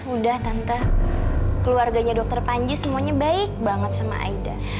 udah tante keluarganya dr panji semuanya baik banget sama aida